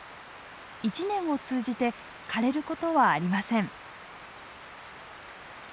１年を通じてかれることはありません。